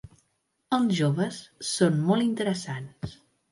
Els joves són molt interessants.